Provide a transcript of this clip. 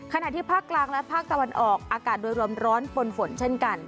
ขณะที่ภาคกลางและภาคตะวันออกอากาศโดยรวมร้อนปนฝนเช่นกัน